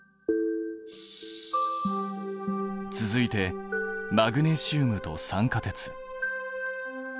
続いてマグネシウムと酸化鉄。